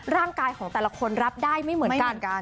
ร่างกายของแต่ละคนรับได้ไม่เหมือนกัน